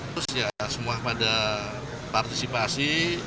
terus ya semua pada partisipasi